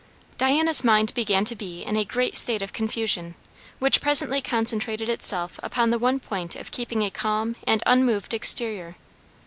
Diana's mind began to be in a great state of confusion, which presently concentred itself upon the one point of keeping a calm and unmoved exterior.